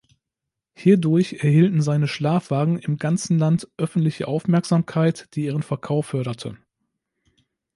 Hierdurch erhielten seine Schlafwagen im ganzen Land öffentliche Aufmerksamkeit, die ihren Verkauf förderte.